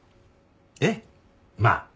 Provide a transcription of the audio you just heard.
ええまあ。